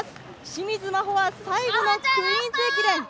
清水真帆は最後のクイーンズ駅伝。